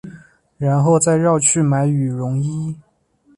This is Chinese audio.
然后再绕去买羽绒衣